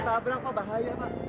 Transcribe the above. saya bantu ya pak